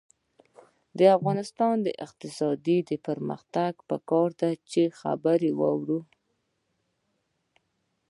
د افغانستان د اقتصادي پرمختګ لپاره پکار ده چې خبره واورو.